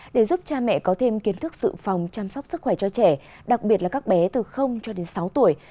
để giúp cha mẹ có thêm kiến thức sự phòng chăm sóc sức khỏe cho trẻ đặc biệt là các bé từ cho đến sáu tuổi